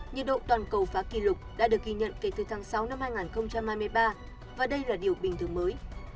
nhiệt độ toàn cầu phá kỷ lục đã được ghi nhận kể từ tháng sáu năm hai nghìn hai mươi ba và đây là điều bình thường mới